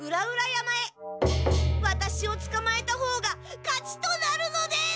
ワタシをつかまえたほうが勝ちとなるのです！